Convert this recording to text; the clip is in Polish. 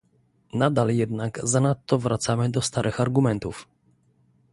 Nadal jednak zanadto wracamy do starych argumentów